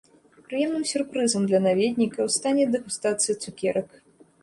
Прыемным сюрпрызам для наведнікаў стане дэгустацыя цукерак.